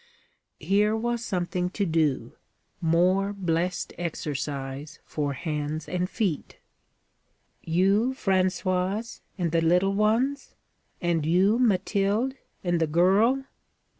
Here was something to do more blessed exercise for hands and feet. 'You, Françoise? and the little ones? And you, Mathilde? and the girl?